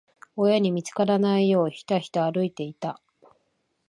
親に見つからないよう、ひたひた歩いてた。